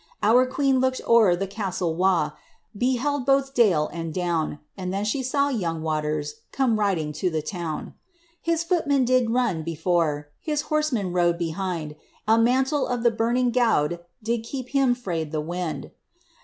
Our queen looked o'er the castle wa*, Beheld both dale and down, And then she saw * yoang Waters* Coroe riding to the town. His footmen they did run before, His horsemen rode behind ; A mantle of the burning gowd Did keep him frae the wind.